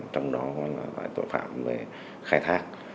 trong đó là loại tội phạm về khai thác